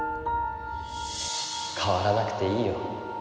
変わらなくていいよ。